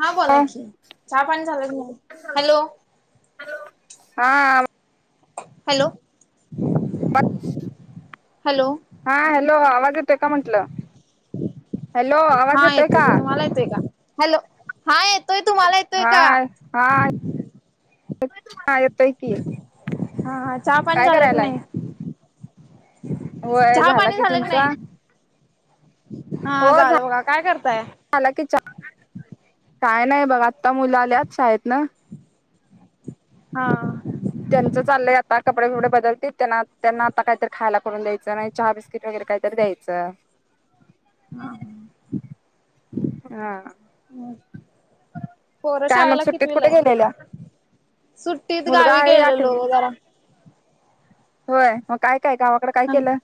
हा बोला हॅलो की. चहा पाणी झालं की नाही? हॅलो. हा. हॅलो. हॅलो हा हॅलो आवाज येतोय का म्हंटलं? हॅलो आवाज येतोय का? येते का? हॅलो हा येतोय तुम्हाला येतोय हा का? हा. हा येतोय की. हा हा. चहा पाणी काय झालं की करायलाय नाही? होय चहा झाला पाणी झालं की तुमचा नाही? हा हो झा झालं बघा. काय करताय? झाला की चा काय नाही बघा आत्ता मुल आल्यात शाळेतनं. हा. त्यांचं चाललंय आता कपडे बिपडे बदलतील. त्यांना त्यांना आता कायतर खायला करून द्यायचं, नाहीतर चहा बीस्कीट वगैर काहीतरी द्याय [unintelligible] हा. हा. पोरं काय मग शाळेला सुट्टीत कितवीला कुठे आहेत? गेलेल्या? सुट्टीत मुलगा गावी आहे गेलेलो आठवी जरा. होय मग काय काय गावाकडे काय केलं?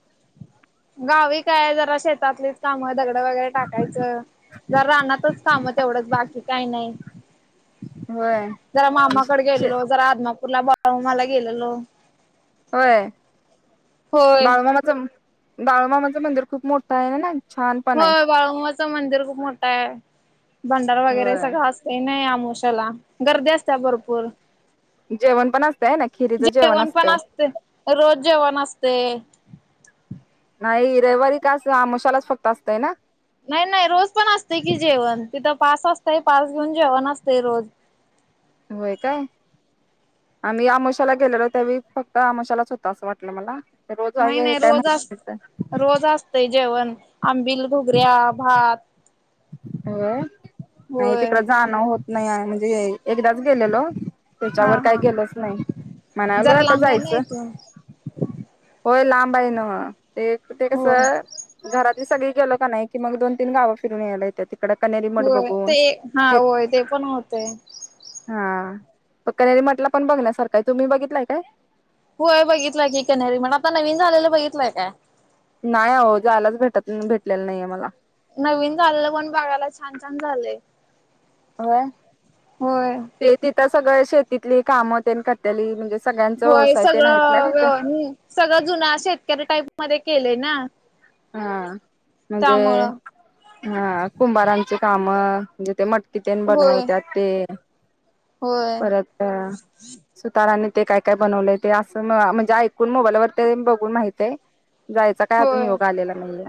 गावी काय जरा शेतातलीच काम, दगडं वगैरे टाकायचं. जरा रानातचं काम तेवढंच बाकी काही नाही. होय जरा मामाकडे गेलेलो, जरा आदमापूरला बाळु मामाला गेलेलो. होय? होय बाळूमामाचं बाळूमामाचं मंदिर खूप मोठं आहे होय नाही? होय बाळुमामाचं मंदिर खूप मोठ आहे. भंडारा वगैरे होय सगळं अस ते नाही आमोशाला गर्दी असत्या भरपूर. जेवण पण असतंय हाय ना, खिरीचं जेवण पण असतंय. असते रोज जेवण असतंय. नाही रविवारी खास अमुशालाच फक्त असतंय ना? नाही नाही रोज पण असतंय की जेवण, तिथं पास असतंय पास घेऊन जेवण असतंय रोज. होय काय? आम्ही आमोशाला गेलेलो त्यावेळी फक्त आमोशालाच होत असं वाटलं मला. रोज नाही आहे हे नाही काय रोज अस माहिती तिथं रोज असतंय जेवण आंबिल, घुगऱ्या, भात. होय नाही होय तिकडं जाणं होत नाही हाय म्हणजे एकदाच गेलेलो, हा त्याच्यावर काय हा गेलोच नाही. म्हणालोय जरा आता लांब आहे ना जायचं. इथून होय लांब आहे न्हवं. ते ते हो कसं घरातली सगळी गेलो का नाही, की मग दोन तीन गाव फिरून यायला ये त्या तिकड कण्हेरी होय ते हा होय ते पण होतंय. हा तो कन्हेरी मठला पण बघण्यासारखं आहे. तुम्ही बघितलाय काय? होय बघितलंय की कन्हेरी मठ. आता नवीन झालेलं बघितलंय काय? नाही अहो जायलाच भेटत भेटलेल नाहीये मला. नवीन झालेलं पण बघायला छान छान झालंय. होय. होय. ते तिथं सगळं शेतीतली कामं तेन करतेली. म्हणजे सगळ्यांच होय व्यवसाय तेन आहेत ना सगळं तिथं. व्यव हम्म सगळं जुना शेतकरी टाईप मध्ये केलंय ना. हा म्हणजे त्यामुळं हा कुंभारांची कामं म्हणजे ते मटकी तेन होय. बनववत्यात ते. होय. परत सुतारांनी ते काय काय बनवलंय, ते असं म्हणजे ऐकून मोबाईलवर ते बघून माहित हाय. जायचा काय अजून होय योग आलेला नाहीये.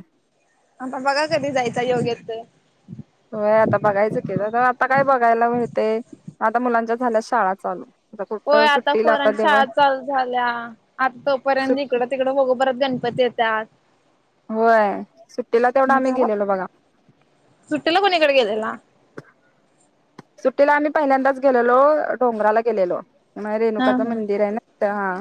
आता बघा कधी जायचा योगे येतोय? व्हय बघायचं की, तर आता काय बघायला मिळते आता मुलांच्या झाल्या शाळा चालू. आता कुठ होय आता सुट्टीला पोरांच्या तेव्हा शाळा चालू झाल्या. आता तोपर्यंत सुट इकडं तिक तिकडे बघु परत गणपती येत्यात. व्हय, सुट्टीला तेवढं आम्ही घरात गेलेलो बघा. सुट्टीला कुणीकडं गेलेला? सुट्टीला आम्ही पहिल्यांदाच गेलेलो, डोंगराला गेलेलो. माय हा रेणुकाचं हा. मंदिर आहे ना त्या हा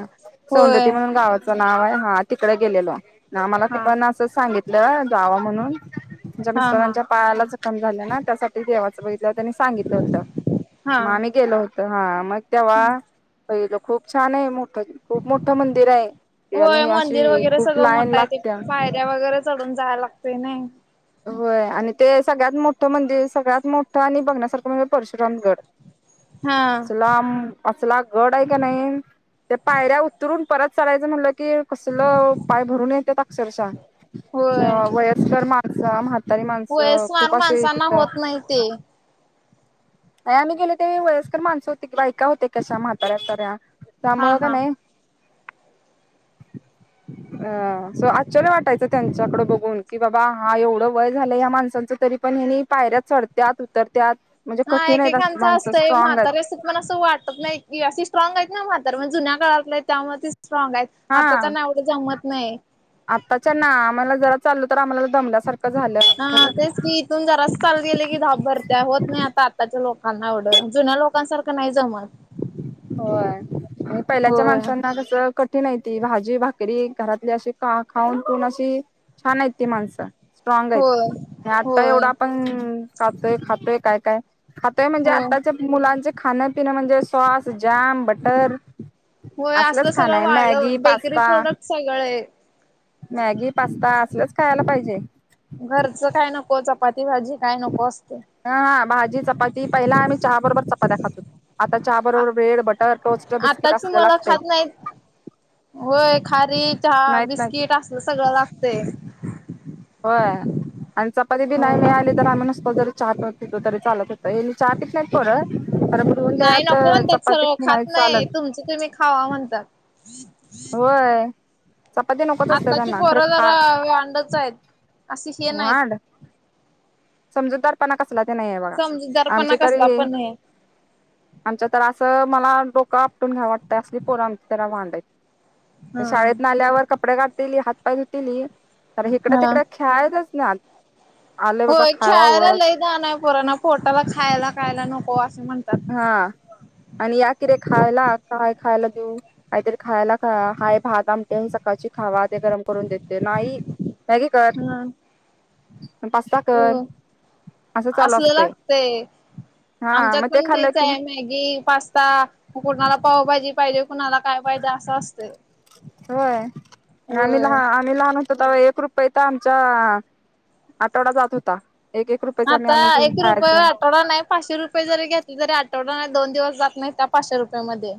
होय. सौंदती म्हणून गावात च नाव हाय हा तिकडे गेलेलो. हा मलापण असं सांगितलं जावा म्हणून. त्यांच्या हा हा मिस्टरांच्या पायाला जखम झाल्या ना, त्यासाठी देवाचं बघितल्यावर त्यांनी सां होतं. हा. मग आम्ही गेलो होतो. हा मग तेव्हा पहिलं खूप छान आहे मोठं. खूप मोठं मंदिर आहे होय आणि अशी खूप लाईन लागत्या. त्या वगैरे चढून जायाय लागतय नाही. होय आणि ते सगळ्यात मोठं मंदिर, सगळ्यात मोठं आणि बघण्यासारखं म्हणजे परशुरामगड. हा. लांब असला गड आहे का नाही त्, या पायऱ्या उतरून परत चलायचं म्हणलं की कसल पाय भरून येतेेत अक्षरशः. होय वयस्कर माणसा म्हा म्हातारी माणसं खूप असे तिथं माहितेय. नाही आम्ही गेलो त्यावेळी वयस्कर माणसं होते की बायका होते कशा म्हाताऱ्या साऱ्या, हा त्यामुळ का हा नाही [inaudible] अ सो आश्चर्य वाटायचं त्यांच्याकड बघून, की बाबा हा एवढं वय झालं या माणसांच तरी पण हेनी पायऱ्यात चढत्यात, उतरत्याात. हा एकेकांच असतंय. म्हातारे आहेत अस तुम्ही मला असं वाटत नाही, की अशी स्ट्रॉंग आहेत ना म्हातार. म जुन्या काळातली हाय त्यामुळे ती स्ट्रॉंग हायत. आता त्यांना एवढं जमत नाय. आताच्या ना आम्हाला जरा चालो तर आम्हाला दमल्यासारखं झालं. हा खरं तेच की इथून जरास चालत गेलं की धाप भरत्या. होत नाही आता आताच्या लोकांना एवढं. जुन्या लोक लोकांसारखं नाही जमत. होय आणि पहिल्याच्या होय माणसांना कसं कठीण आहे ती. भाजी भाकरी घरातली अशी का खाऊन पिऊन अशी छान आहेत ती माणसं. स्ट्रॉंग हायत होय आणि आता एवढं होय आपण खातोय खातोय काय का. खातोय म्हणजे होय आताच्या मुलांचे खाणं पिणं म्हणजे सॉस जॅम बटर. होय असलं असलंच खाणं सगळं आहे मॅगी वाढलं बेकरी पास्ता प्रोडक्ट सगळं मॅगी पास्ता असलंच खायला पाहिजे. घरचं काय नको चपाती भाजी काय नको असतं. ही हा भाजी चपाती पहिला आम्ही चहा बरोबर चपात्या खात होतो, आता चहा बरोबर ब्रेड, बट हा टोस्ट, बिस्किट आताची असलं मुलं लागतंय. खात नाहीत. होय खारी, चहा, नाहीत नाही बिस्किट असल सगळं लागतय होय आणि चपातीबी नाही होय. मिळाली पण आम्ही मणसत जरी चहा पीत होतो तरी चालत होतं यांनी चहा पीत नाहीत पोर तर दन त्या नाही नको आत म्हणत्यात चपाती सरळ खात नाही चालत. तुमचं तुम्ही खावा म्हणतात. होय चपाती नकोच असते आत्ताची त्यांना खर पोरं जरा वांडच आहेत. अशी हे नाहीत वाड. समजूतदारपणा कसला ते नाही बघा, समजूतदारपणा आमचे तरी कसला हे पण आमच्या तर असं मला डोकं आपटून घ्यावं वाटतं असली पोर आमची तर वांड हाईत. हा. शाळेतना आल्यावर कपडे काढतीली हात पाय धुतीली तर हिकडं हा. तिकड खे खेळेतच नान आले बाबा च्यायला खावावं लै जा नाही पराना पोटाला खायला खायला नको असं म्हणतात. हा आणि या किर खायला काय खायला देऊ. काहीतरी खायला हाय भात आमटे सकाळची खावा ते गरम करून देते, नाही मॅगी कर हा. पास्ता कर. असं चालू असल असतंय लागते हा आमच्यात मग ते पण खाल्लं तेच कि मग आहे मॅग की पास्ता कुणाला पावभाजी पाहिजे कुणाला काय पाहिजे असं असते. होय आणि आम्ही लहा. आम्ही लहान होतो तर एक रुपये तर आमचा आठवडा जात होता. एक एक रुपयाचं आम्ही आता आणून घेऊन एक खायच. रुपये आठवडा नाही पाचशे रुपये जरी घेतले तरी आठवडा नाही दोन दिवस जात नाही त्या पाचशे रुपये मध्ये.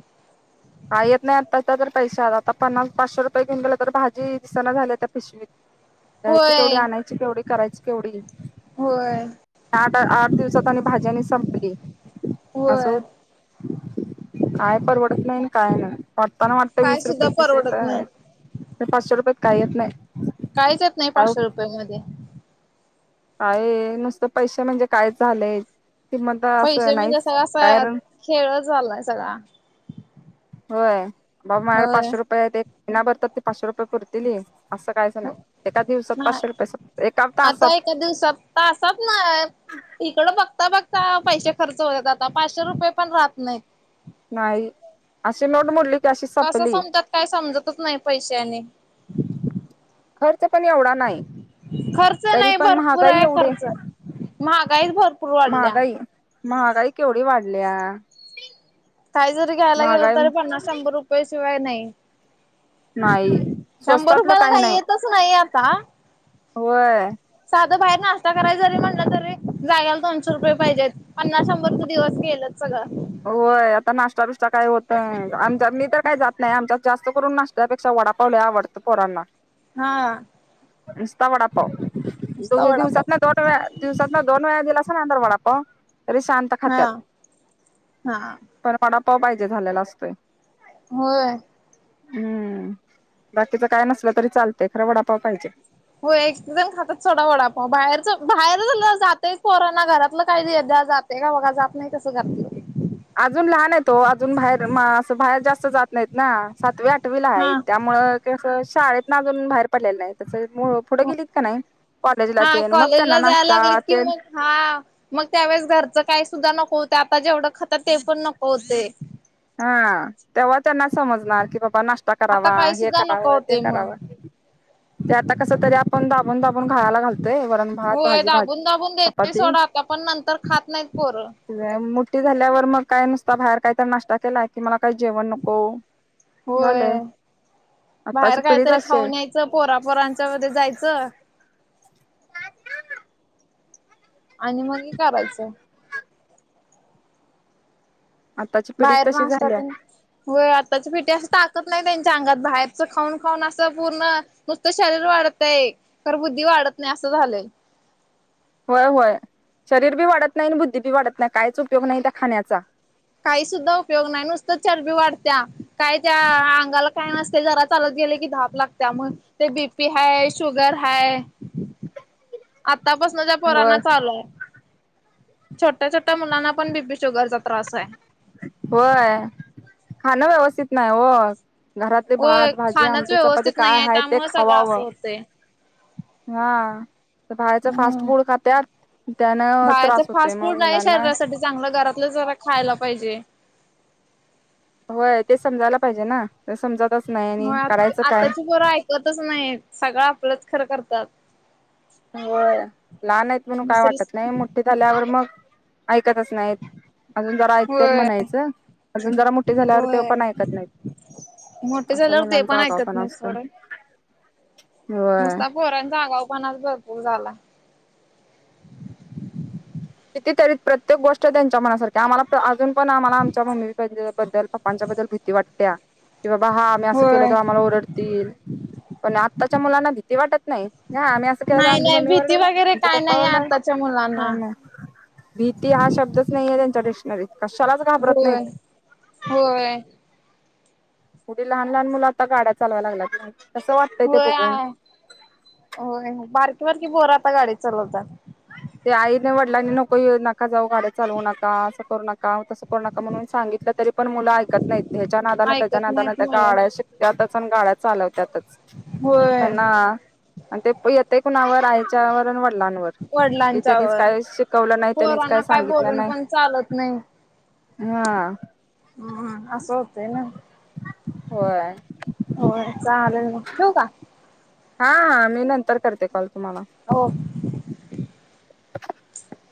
का येत नाही आता त्या तर पैश आता पन्नास पाचशे रुपये घऊन गले तर भाजी दिसना झाल्या त्या पिश घ्यायची केवढी होय आणायची केवढी करायची केवढी? होय आठ आठ दिवसात आणि भाज्यांनी संपली अस होय होत. काय परवडत नाही काय नाही वाटताना वाटत काय वीस सुद्धा रुपये तीस रुपये परवडत नाही. आहे. पाचशे रुपयात काही येत नाही. काहीच येत नाही काय पाचशे रुपया मध्ये. काय नुसतं पैसे म्हणजे कायच झालाय कि मत असं पैसे नाहीच म्हणजे सगळा असा कारण. खेळच झालाय सगळा. होय बघ माझ्याकडे होय पाचशे रुपये एक पहिना भरतात ती पाचशे रुपये पुरतील असं कायच एका दिवसात नाही पाचशे रुपये एका आता तासात. एका दिवसात. तासातन इकडं बघता बघता पैसे खर्च होतात आता पाचशे रुपये पण राहत नाही. नाही असं नोट मोडली. की अशी कसं सपली समतात काय समजतच नाही पैशे आणि. खर्च पण एवढा नाही. खर्च तरी नाही पण भरपूर महागाई आहे एवढी खर्च महागाईच भरपूर वाढल्या. महागाई महागाई केवढी वाढलीया? काही जरी घ्यायला गेलं तरी पन्नास शंभर रुपये शिवाय नाही. नाही शंभर स्वस्तातलं रुपयाला काही नाही येतच नाही आता. होय. साधं बाहेर नाश्ता करायला जरी म्हणलं तरी जागाला दोनशे रुपये पाहिजेत. पन्नास शंभर त दिवस गेलच सगळं. होय आता नाश्ता बिष्टा काय होतय आमचा मी तर काय जात नाही आमच्यात जास्त करून नाशत्यापेक्षा वडा पाव लय आवडतं पोरांना. हा.. नुसता. वडा पाव नुसता दो वडापाव दिवसातून दोनं. दिवसातना दोन वेळा गेलास ना अंदर वडा पाव तरी शांत हा हा. त्याने पडापाव पाहिजे झालेला असतोय. होय. हम्म. बाकीच काय? नसलं तरी चालतय खरं वडापाव पाहिजे. हो एक जण खातात सोडा वडापाव बाहेरच बाहेर ला जातं पोरांना घरातलं काही दे जात ते का बघा जात नाही तसं करती. अजून लहान आहे तो अजून बाहेर मा असं बाहेर जास्त जात नाहीत ना सातवी आठवीला आहे त्या हा मुळं शाळेतन आजून बाहेर पडलेलं नाहीत. तस मुळं- पुढं गेलीत का नाही कॉलेजला हा तेन मग कॉलेजला त्यांना जायला नाश्ता लागलीत की तेन मग हा मग त्यावेळेस घरचं काही सुद्धा नको होते आता जेवढं खातात ते पण नको होते. हा. तेव्हा त्यांना समजणार की बाबा नाश्ता. आता करावा काही हे सुद्धा नको करावा ते होते मग. करावा ते आता कसं तरी आपण दाबून-दाबून खायला घालोय वरण भात होय भाजी भाजी दाबून दाबून देते चपाती सोडा आता पण नंतर खात नाहीत पोरं. मुठी झाल्यावर मग काय नुसता बाहेर काही तर नाश्ता केला कि मला काही जेवण नको. झालं होय. बाहेर आताची काय? पिढीच तर अशी आहे खाऊन यायचं. पोरापोरांमध्ये जायचं. आणि मगी करायचं. आताची पिढीच बाहेर तशी नाष्टा झाल्या तेन. होय. आत्ताच्या पिटया असं ताकत नाही. त्यांच्या अंगात बाहेरच खाऊन खाऊन असं पूर्ण. नुसतं शरीर वाढतंय. खर, बुद्धी वाढत नाही असं झालंय. हो. होय. शरीर बी वाढत नाही. आणि बुद्धी बी वाढत नाही. कायच? उपयोग नाही त्या खाण्याचा. काही सुद्धा उपयोग नाही. नुसतं चरबी वाढत्या. काय? त्या अंगाला काय! नसतंय. जरा चालत गेले की धाप लागत्या मग. ते बीपी हाय. Sugar high. आतापासूनं त्या होय पोराना चालू आहे. छोट्या-छोट्या मुलांना पण बी पी, शुगरचा त्रास आहे. होय खाणं व्यवस्थित नाही हो. घरातली होय भात, भाजी, खाणच आमटी, चपाती व्यवस्थित नाही काय? आहे ते त्यामुळे सगळं असं खावावं. होते हा.. बाहेरच फास्ट हम्म फूड खात्यात त्यान त्रास बाहेरच होतोय फास्ट मग, फूड नाही मुलांना शरीरासाठी चांगलं घरातलं जरा खायला पाहिजे. होय ते समजायला पाहिजे ना ते समजतच नाही हो आणि करायचं काय. आताची पोरं ऐकतच नाहीत, सगळं आपलंच खरं करत्यात. हो. लहान आहेत म्हणून काय? दुसरी वाटत नाही.. मोठी झाल्यावर मग, ऐकतच नाहीत. अजून जरा ऐकतत होय म्हणायचं. अजून जरा मोठी झाल्यावर तेव होय पण ऐकत नाहीत. मोठे असं झाल्यावर ते पण मुलांचा आगाव ऐकत पणा नाही असतो. सोड होय नुसता पोरांचा आगाव पणा भरपूर झाला. किती? तरी प्रत्येक गोष्ट त्यांच्या मनासारखी आम्हाला तर अजून. पण आम्हाला आमच्या मम्मी पद्द बद्दल पप्पांच्या बद्दल भीती वाटत्या. की बाबा. हा आम्ही असं केलं होय तर आम्हाला ओरडतील? तील पण आत्ताच्या मुलांना भीती वाटत नाही हा आम्ही एखादं वेळेस नाही आमची नाही मम्मी भीती ओरडलं, वगैरे हिचे काय पप्पा नाही ओरडलं आताच्या मुलांना. हा ना. भीती हा शब्दच नाही आहे त्यांच्या डिशनरीत. कशालाच घा होय. होय. केवढी? लहान लहान मुलं आता गाड्या चालवा लागल्यात. कसं वाटतंय ते होय बघून आहे होय हो बारकी बारकी पोरं आता गाडी चालवतात. ते आईने वडिलांनी नको ये नका जाऊ गाड्या चालवू नका असं करू नका तसं करू नका म्हणून सांगितलं तरी पण मुलं ऐकत नाहीत ह्याच्या नादानें त्याच्या ऐकत नादानें नाहीत त्या मुलं काढाय त्यांतच आणि गाड्या चालवत्यातच. होय [unintelligible] आणि ते येतंय कुणावर, आईच्यावर आणि वडिलांनवर. कि त्यांनीच वडिलांच्यावर. काय शिकवलं नाही, त्यांनीच पोरांना काय सांगितलं बोलून नाही. पण चालत नाही. हां.. हम्म.. असं होतंय ना, होय. होय चालेल ना, ठेवू कां. हा.. मी नंतर करते, कॉल तुम्हाला. हो. [unintelligible]